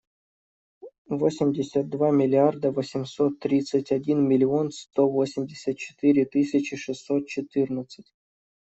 Восемьдесят два миллиарда восемьсот тридцать один миллион сто восемьдесят четыре тысячи шестьсот четырнадцать.